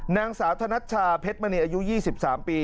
นางสาวธนัชชาเพชรมณีอายุ๒๓ปี